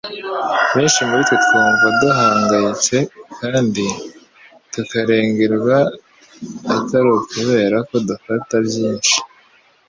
Benshi muri twe twumva duhangayitse kandi tukarengerwa atari ukubera ko dufata byinshi,